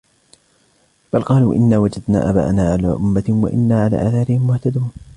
بل قالوا إنا وجدنا آباءنا على أمة وإنا على آثارهم مهتدون